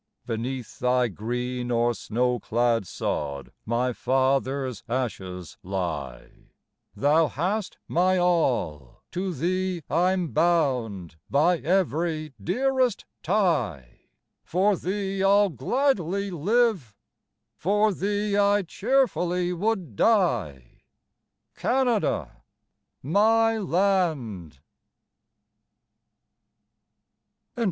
Beneath thy green or snow clad sod My fathers' ashes lie; Thou hast my all, to thee I'm bound By every dearest tie; For thee I'll gladly live, for thee I cheerfully would die, Canada, my land.